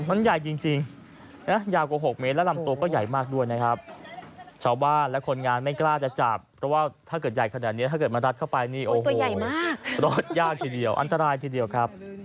มันใหญ่จริงยาวกว่า๖เมตรและลำตัวก็ใหญ่มากด้วยนะครับ